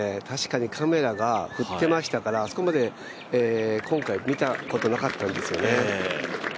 確かにカメラが振ってましたからあそこまで今回見たことなかったんですよね。